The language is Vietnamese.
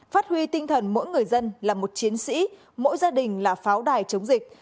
phát huy tinh thần mỗi người dân là một chiến sĩ mỗi gia đình là pháo đài chống dịch